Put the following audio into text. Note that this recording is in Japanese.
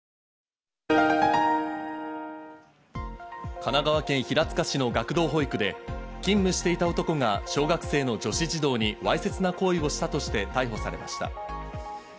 神奈川県平塚市の学童保育で勤務していた男が小学生の女子児童にわいせつな行為をしたとして逮捕されました。